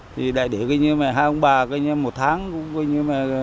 thì để hai ông bà một tháng con cái